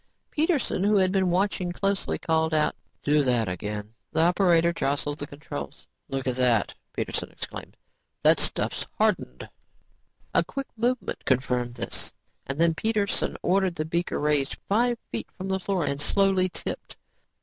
Peterson, who had been watching closely, called out. "Do that again." The operator jostled the controls. "Look at that," Peterson exclaimed. "That stuff's hardened." A quick movement confirmed this and then Peterson ordered the beaker raised five feet from the floor and slowly tipped.